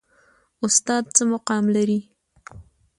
استاد څه مقام لري؟